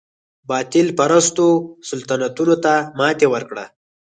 باطل پرستو سلطنتونو ته ماتې ورکړه.